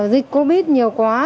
dịch covid nhiều quá